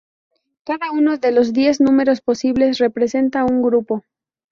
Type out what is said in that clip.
Cada uno de los diez números posibles representa un grupo.